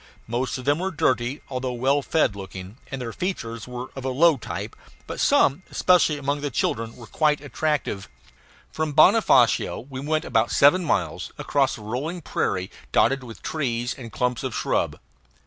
Most of them were dirty, although well fed looking, and their features were of a low type; but some, especially among the children, were quite attractive. From Bonofacio we went about seven miles, across a rolling prairie dotted with trees and clumps of shrub.